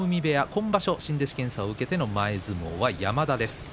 今場所、新弟子検査を受けての前相撲は山田です。